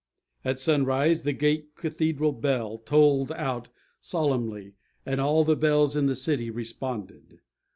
At sunrise the great Cathedral bell tolled out solemnly, and all the bells in the city responded.